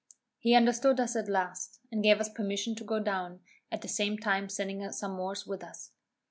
He understood us at last, and gave us permission to go down, at the same time sending some Moors with us.